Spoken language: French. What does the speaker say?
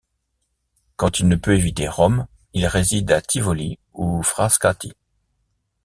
Quand il ne peut éviter Rome il réside à Tivoli ou Frascati.